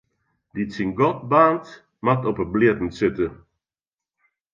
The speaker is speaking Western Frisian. Dy't syn gat baarnt, moat op 'e blierren sitte.